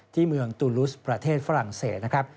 ที่เมืองตูลุสประเทศฝรั่งเศสนะครับ